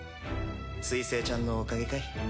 水星ちゃんのおかげかい？